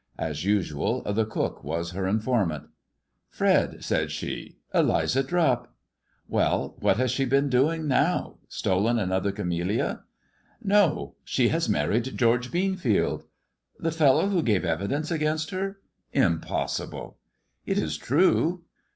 As usual, the cook was her informant. " Fred," said she ;*' Eliza Drupp ]"" Well, what has she been doing now 1 Stolen another camellia ]" "No. She has married George Beanfield." The fellow who gave evidence against her? Im possible." "It is true.